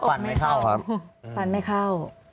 ที่หน้าอกฟันไม่เข้าครับจริงไอเน่าออกฟันไม่เข้า